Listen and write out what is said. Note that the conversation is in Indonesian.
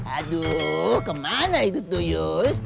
aduh kemana itu duyul